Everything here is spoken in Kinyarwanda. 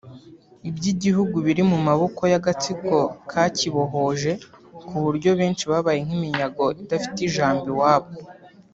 Iby’igihugu biri mu maboko y’agatsiko kakibohoje ku buryo benshi babaye nk’iminyago idafite ijambo iwabo